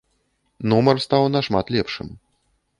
Нумар стаў нашмат лепшым.